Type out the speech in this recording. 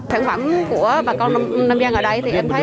sản phẩm của bà con nam giang ở đây